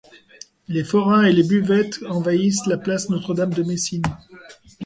Les forains et les buvettes envahissent la place Notre-Dame de Messines.